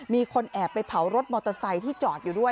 มีคนแอบไปเผารถมอเตอร์ไซค์ที่จอดอยู่ด้วย